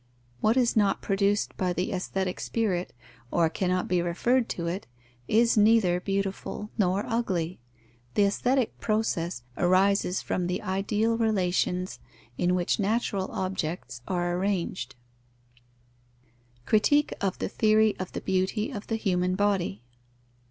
What is not produced by the aesthetic spirit, or cannot be referred to it, is neither beautiful nor ugly. The aesthetic process arises from the ideal relations in which natural objects are arranged. _Critique of the theory of the beauty of the human body.